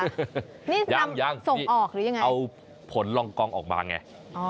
นี่ยังส่งออกหรือยังไงเอาผลลองกองออกมาไง